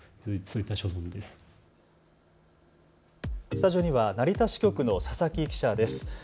スタジオには成田支局の佐々木記者です。